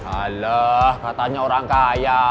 alah katanya orang kaya